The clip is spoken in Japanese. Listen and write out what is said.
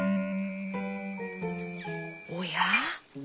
おや？